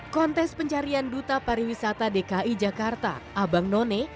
kontes pencarian duta pariwisata dki jakarta abang none